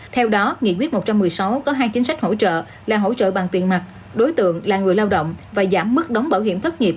theo đó nghị quyết một trăm một mươi sáu có hai chính sách hỗ trợ là hỗ trợ bằng tiền mặt đối tượng là người lao động và giảm mức đóng bảo hiểm thất nghiệp